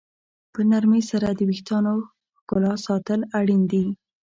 په نرمۍ سره د ویښتانو ښکلا ساتل اړین دي.